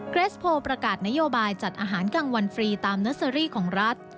เกรสโพลประกาศนโยบายจัดอาหารกลางวันฟรีตามเนอร์เซอรี่ของรัฐ